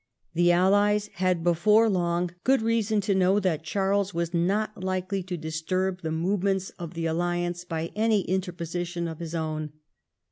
The Allies had before long good reason to know that Charles was not likely to disturb the move ments of the Alliance by any interposition of his own.